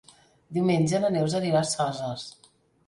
Diumenge na Neus anirà a Soses.